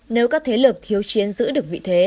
nếu các thế lực thiếu chiến giữ được vị thế